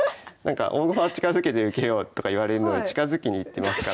大駒は近づけて受けよとかいわれるのに近づきに行ってますから。